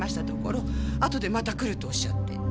ところあとでまた来るとおっしゃって。